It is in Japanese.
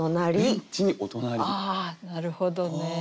ああなるほどね。